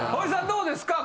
どうですか？